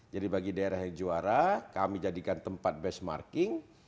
jadi bagi daerah yang juara kami jadikan tempat base marking